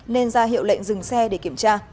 nên ra hiệu lệnh dừng xe để kiểm tra